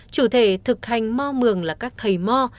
chủ thể thực hành mong mường là các thầy mò